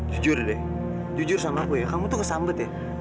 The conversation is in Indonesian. jujur deh jujur sama aku ya kamu tuh kesambet ya